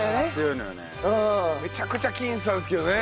めちゃくちゃ僅差ですけどね。